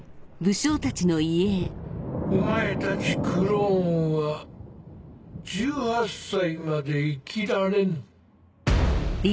お前たちクローンは１８歳まで生きられぬ。